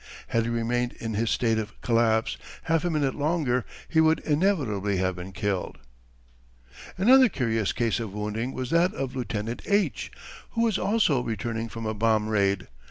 Had he remained in his state of collapse half a minute longer, he would inevitably have been killed. Another curious case of wounding was that of Lieutenant H., who was also returning from a bomb raid.